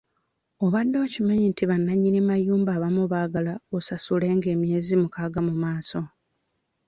Obadde okimanyi nti bannanyini mayumba abamu baagala osasulenga emyezi mukaaga mu maaso.